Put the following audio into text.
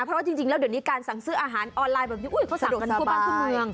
เพราะว่าจริงแล้วเดี๋ยวนี้การสั่งซื้ออาหารออนไลน์เขาสั่งกันมาทั่วบ้านทุกเมือง